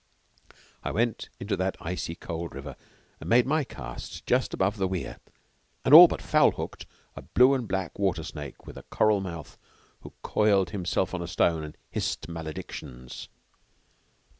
I went into that icy cold river and made my cast just above the weir, and all but foul hooked a blue and black water snake with a coral mouth who coiled herself on a stone and hissed male dictions.